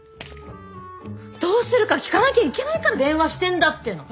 どうするか聞かなきゃいけないから電話してるんだっての！